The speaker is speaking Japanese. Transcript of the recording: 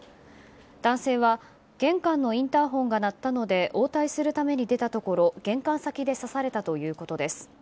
男性は玄関のインターホンが鳴ったので応対するために出たところ玄関先で刺されたということです。